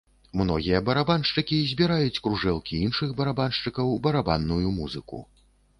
Многія барабаншчыкі збіраюць кружэлкі іншых барабаншчыкаў, барабанную музыку.